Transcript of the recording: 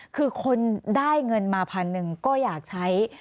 คือคนได้เงินมาพันหนึ่งก็อยากใช้